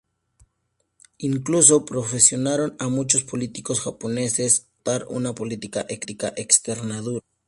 Incluso presionaron a muchos políticos japoneses a adoptar una política externa dura.